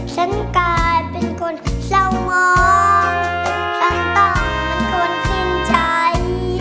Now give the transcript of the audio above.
ฉันกลายเป็นคนเศร้ามองฉันต้องมันควรคินใจ